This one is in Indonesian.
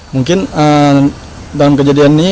mungkin dalam kejadian ini